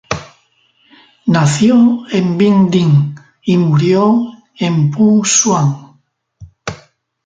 Nació en Binh Dinh y murió en Phu Xuan.